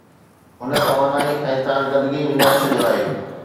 هن توانائي ۽ ڪارڪردگي وڃائي ڇڏيو آهي.